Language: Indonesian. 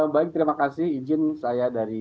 baik terima kasih izin saya dari